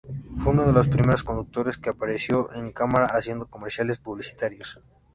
Fue uno de los primeros conductores que apareció en cámara haciendo comerciales publicitarios.